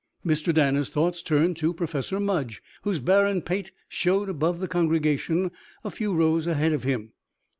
Mr. Danner's thoughts turned to Professor Mudge, whose barren pate showed above the congregation a few rows ahead of him.